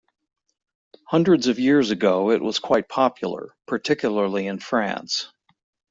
Hundreds of years ago it was quite popular, particularly in France.